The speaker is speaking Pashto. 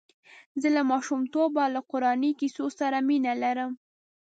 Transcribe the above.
زه له ماشومتوبه له قراني کیسو سره مینه لرم.